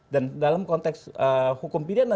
dan dalam konteks hukum pidana